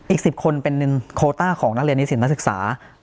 อีก๑๐คนเป็นหนึ่งโคต้าของนักเรียนนิสิตนักศึกษา